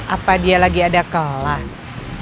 apa dia lagi ada kelas